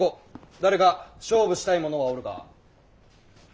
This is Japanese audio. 誰か勝負したい者はおるか。